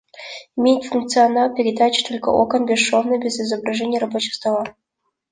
Имеет функционал передачи только окон бесшовно, без изображения рабочего стола